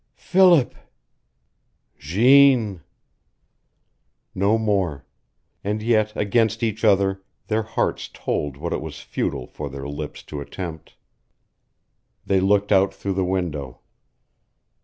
"Philip " "Jeanne " No more and yet against each other their hearts told what it was futile for their lips to attempt. They looked out through the window.